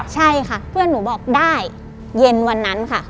ใช่ค่ะเพื่อนหนูบอกได้เย็นวันนั้นค่ะ